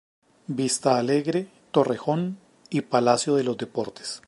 Vista Alegre, Torrejón y Palacio de los Deportes.